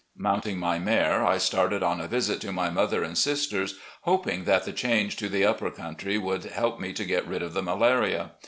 Mounting my mare, I started on a visit to my mother and sisters, hoping that the change to the upper country would help me to get rid of the malaria.